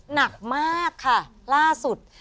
หนักมากค่ะล่าสุด